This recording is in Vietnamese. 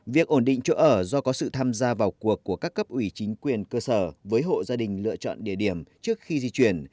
việc ổn định chỗ ở do có sự tham gia vào cuộc của các cấp ủy chính quyền cơ sở với hộ gia đình lựa chọn địa điểm trước khi di chuyển